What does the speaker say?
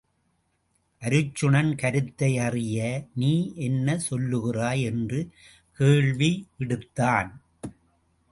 அருச்சுனன் கருத்தை அறிய, நீ என்ன சொல்கிறாய்? என்று கேள்வி விடுத்தான்.